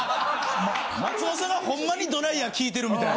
松本さんがホンマにドライヤー聞いてるみたいな。